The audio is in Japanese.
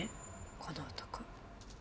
この男。